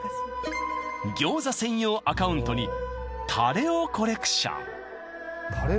餃子専用アカウントにタレをコレクション